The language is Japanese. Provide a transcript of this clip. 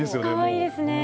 かわいいですね。